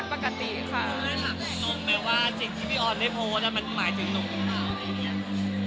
น้องแหมว่าจริงที่พี่ออนไม่โพสต์มันหมายถึงน้องใครเนี่ย